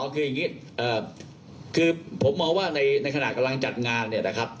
คืออย่างนี้คือผมมองว่าในขณะกำลังจัดงานเนี่ยนะครับ